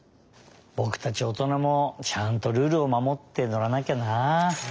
ぼくたちおとなもちゃんとルールをまもってのらなきゃな。